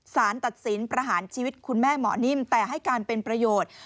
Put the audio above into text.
สารตัดสินประหารชีวิตคุณแม่หมอนิ่มแต่ให้การเป็นประโยชน์